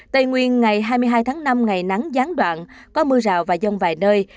tây nguyên ngày hai mươi hai tháng năm ngày nắng gián đoạn có mưa rào và dông vài nơi